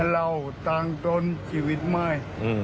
เราตรงตัวนี้ชีวิตไม่